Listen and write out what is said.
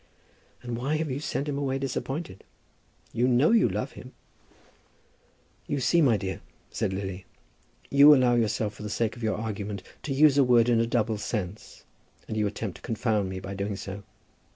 "And why have you sent him away disappointed? You know you love him." "You see, my dear," said Lily, "you allow yourself, for the sake of your argument, to use a word in a double sense, and you attempt to confound me by doing so.